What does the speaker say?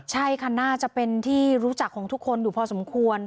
ใช่ค่ะน่าจะเป็นที่รู้จักของทุกคนอยู่พอสมควร